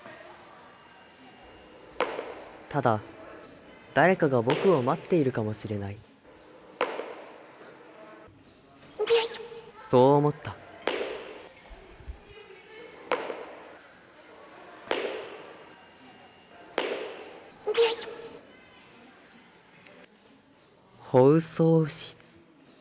ただ誰かが僕を待っているかもしれないそう思った「放送室」。